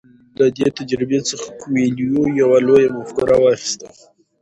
له دې تجربې څخه کویلیو یوه لویه مفکوره واخیسته.